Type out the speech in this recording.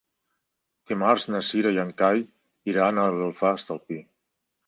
Dimarts na Cira i en Cai iran a l'Alfàs del Pi.